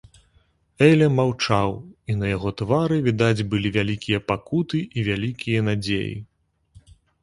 Эля маўчаў, і на яго твары відаць былі вялікія пакуты і вялікія надзеі.